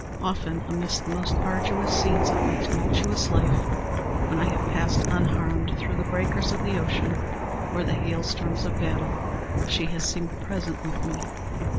Often, amidst the most arduous scenes of my tumultuous life, when I have passed unharmed through the breakers of the ocean or the hail storms of battle, she has seemed present with me.